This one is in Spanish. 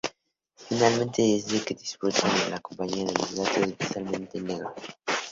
Finalmente se dice que disfrutan de la compañía de los gatos, especialmente los negros.